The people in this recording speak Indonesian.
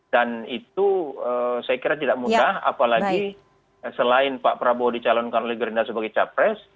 dan itu saya kira tidak mudah apalagi selain pak prabowo dicalonkan oleh gerinda sebagai capres